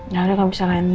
ya udah gak usah main